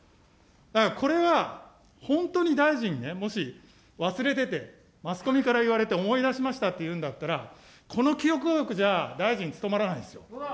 だからこれは、本当に大臣ね、もし忘れてて、マスコミから言われて思い出しましたっていうんだったら、この記憶力じゃ大臣務まらないですよ。